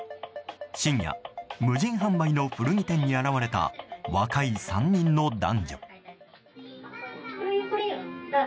深夜、無人販売の古着店に現れた若い３人の男女。